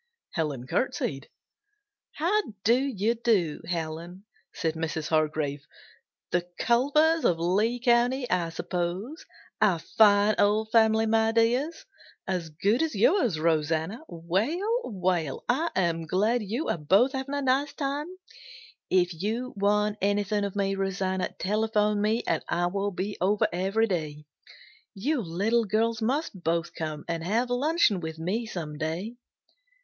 Helen curtseyed. "How do you do, Helen," said Mrs. Hargrave. "The Culvers of Lee County, I suppose. A fine old family, my dears. As good as yours, Rosanna. Well, well, I am glad you are both having a nice time! If you want anything of me, Rosanna, telephone me and I will be over every day. You little girls must both come and have luncheon with me some day."